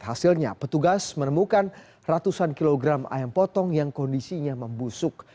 hasilnya petugas menemukan ratusan kilogram ayam potong yang kondisinya membusuk